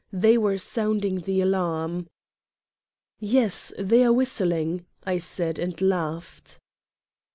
They were sounding the alarm. "Yes, they are whistling," I said and laughed.